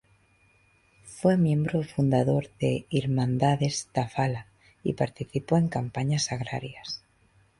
Fue miembro fundador de Irmandades da Fala y participó en campañas agrarias.